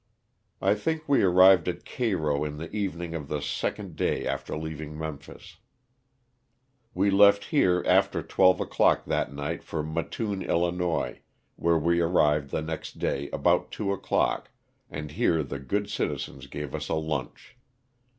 I think we arrived at Cairo in the evening of the second day after leaving Memphis. We left here after twelve o'clock that night for Mattoon, 111., where we arrived the next day, about two o'clock, and here the good citizens gave us a lunch.